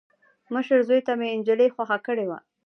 مشر زوي ته مې انجلۍ خوښه کړې وه.